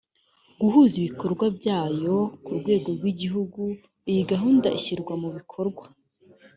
guhuza ibikorwa byayo ku rwego rw igihugu iyi gahunda ishyirwa mu bikorwa